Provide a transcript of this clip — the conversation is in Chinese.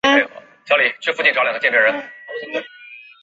成年后也继续在多部电视及电影中亮相。